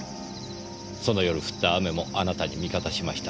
その夜降った雨もあなたに味方しました。